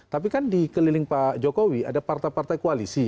tapi kan dikeliling pak jokowi ada partai partai koalisi